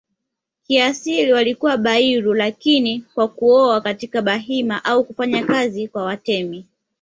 kiasili walikuwa Bairu lakini kwa kuoa katika Bahima au kufanya kazi kwa Watemi